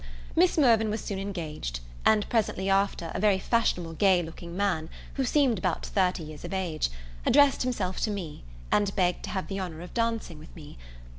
Miss Mirvan was soon engaged; and presently after a very fashionable gay looking man, who seemed about thirty years of age, addressed himself to me, and begged to have the honour of dancing with me.